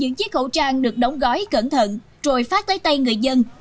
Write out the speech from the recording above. những chiếc khẩu trang được đóng gói cẩn thận rồi phát tới tay người dân